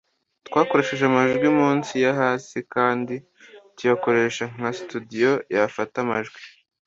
Twakoresheje amajwi munsi yo hasi kandi tuyakoresha nka studio yafata amajwi.